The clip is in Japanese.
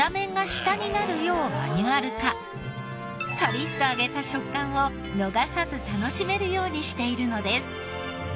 カリッと揚げた食感を逃さず楽しめるようにしているのです。